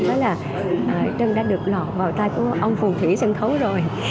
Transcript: đó là trần đã được lọt vào tay của ông phù thủy sân khấu rồi